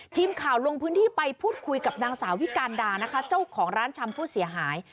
ทีมข่าวลงพื้นที่ไปพูดคุยกับนางสาววิการดานะคะเจ้าของร้านชำผู้เสียหาย